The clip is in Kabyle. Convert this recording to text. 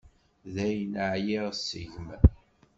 Dayen, ɛyiɣ seg-m.